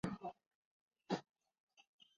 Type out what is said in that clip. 罗什勒佩鲁人口变化图示